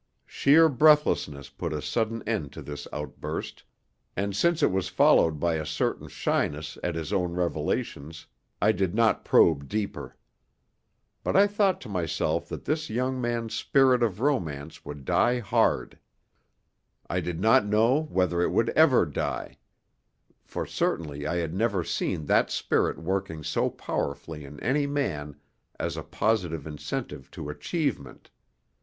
Sheer breathlessness put a sudden end to this outburst, and since it was followed by a certain shyness at his own revelations I did not probe deeper. But I thought to myself that this young man's spirit of romance would die hard; I did not know whether it would ever die; for certainly I had never seen that spirit working so powerfully in any man as a positive incentive to achievement.